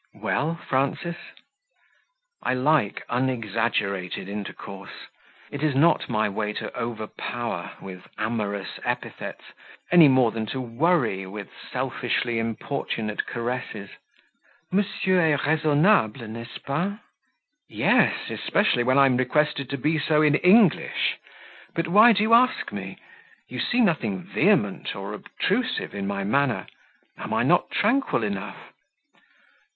"Well, Frances?" I like unexaggerated intercourse; it is not my way to overpower with amorous epithets, any more than to worry with selfishly importunate caresses. "Monsieur est raisonnable, n'est ce pas?" "Yes; especially when I am requested to be so in English: but why do you ask me? You see nothing vehement or obtrusive in my manner; am I not tranquil enough?"